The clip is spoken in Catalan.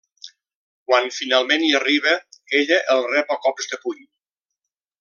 Quan finalment hi arriba, ella el rep a cops de puny.